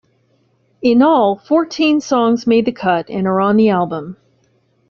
In all, fourteen songs made the cut and are on the album.